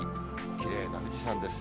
きれいな富士山です。